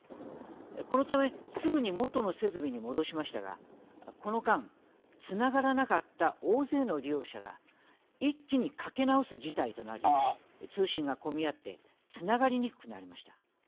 このため、すぐに元の設備に戻しましたがこの間、つながらなかった大勢の利用者が一気に、かけなおす事態となり通信が混み合ってつながりにくくなりました。